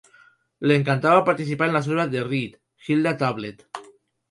Le encantaba participar en las obras de Reed "Hilda Tablet".